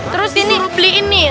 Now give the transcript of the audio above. terus disuruh beliin nih